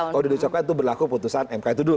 kalau diucapkan itu berlaku putusan m k itu